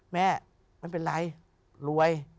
แม่มันเป็นไรรวย